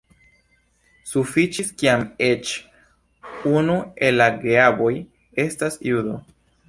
Sufiĉis kiam eĉ unu el la geavoj estas judo.